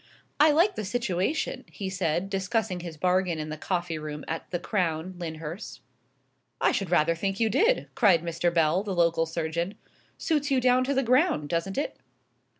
"I like the situation," he said, discussing his bargain in the coffee room at The Crown, Lyndhurst. "I should rather think you did!" cried Mr. Bell, the local surgeon. "Suits you down to the ground, doesn't it?"